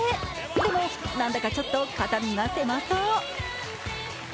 でもなんだかちょっと肩身が狭そう。